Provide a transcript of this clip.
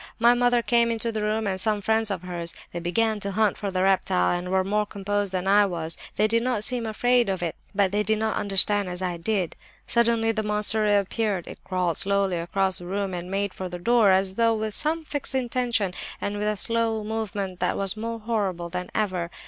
My mother came into the room, and some friends of hers. They began to hunt for the reptile and were more composed than I was; they did not seem to be afraid of it. But they did not understand as I did. "Suddenly the monster reappeared; it crawled slowly across the room and made for the door, as though with some fixed intention, and with a slow movement that was more horrible than ever.